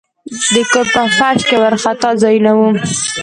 د کور په فرش کې وارخطا ځایونه وو.